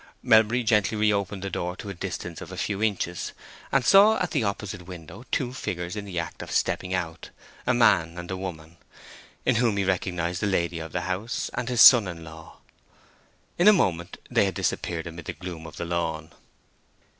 Melbury gently reopened the door to a distance of a few inches, and saw at the opposite window two figures in the act of stepping out—a man and a woman—in whom he recognized the lady of the house and his son in law. In a moment they had disappeared amid the gloom of the lawn.